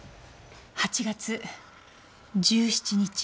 ８月１７日。